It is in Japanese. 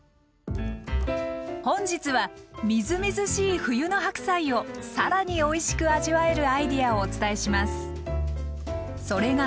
本日はみずみずしい冬の白菜をさらにおいしく味わえるアイデアをお伝えします。